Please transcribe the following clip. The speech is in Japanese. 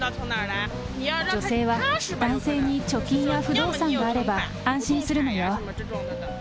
女性は男性に貯金や不動産があれば安心するのよ。